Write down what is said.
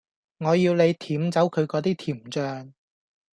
我要你舔走佢果啲甜醬